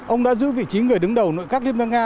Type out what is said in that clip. ông đã giữ vị trí người đứng đầu nội các liên bang nga